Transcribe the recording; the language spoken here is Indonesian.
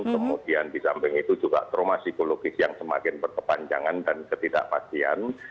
kemudian di samping itu juga trauma psikologis yang semakin berkepanjangan dan ketidakpastian